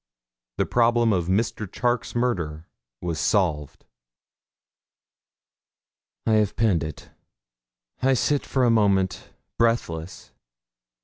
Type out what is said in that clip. The problem of Mr. Charke's murder was solved. I have penned it. I sit for a moment breathless.